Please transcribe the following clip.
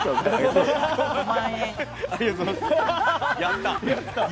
ありがとうございます。